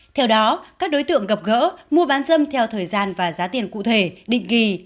theo đó các đối tượng gặp gỡ mua bán dâm theo thời gian và giá tiền cụ thể định kỳ